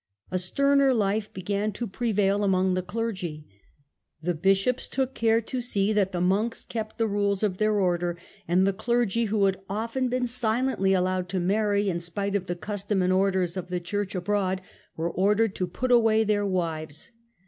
A sterner life began to prevail among the clergy. The bishops took care to see that the monks kept the rules of their order, and the clergy, who had often been silently allowed to marry, in spite of the custom and orders of the church abroad, were ordered to put away their wives.